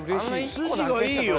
筋がいいよ。